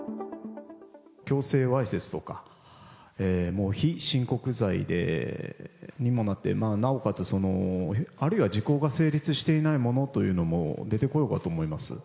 強制わいせつとか、非親告罪にもなってなおかつあるいは時効が成立していないものというのも出てこようかと思います。